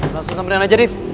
langsung samperin aja div